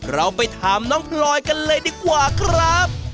เราไปถามน้องพลอยกันเลยดีกว่าครับ